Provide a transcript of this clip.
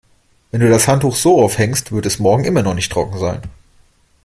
Wenn du das Handtuch so aufhängst, wird es morgen immer noch nicht trocken sein.